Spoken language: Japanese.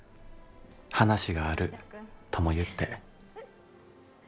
話があるとも言って」。